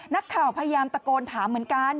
นักข่าวพยายามตะโกนถามเหมือนกัน